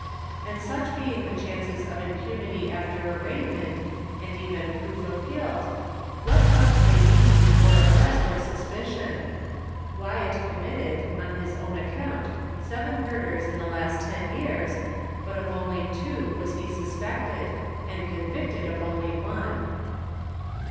And such being the chances of impunity after arraignment, and even .proof of guilt, what must they be before arrest or suspicion ? Wyatt com mitted, by his own account, seven murders in the last ten years, but of only two was he suspected, and convicted of only one.